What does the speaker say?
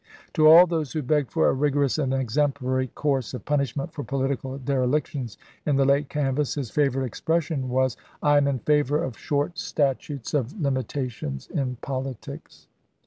To all those who begged for a rigorous and exemplary course of punishment for political derelictions in the late canvass his favorite expression was, " I am in favor of short statutes of 382 ABRAHAM LINCOLN chap. xvi. limitation in politics."